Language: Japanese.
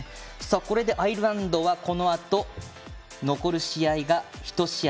これでアイルランドはこのあと、残る試合が１試合。